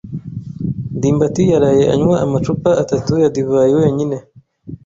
ndimbati yaraye anywa amacupa atatu ya divayi wenyine.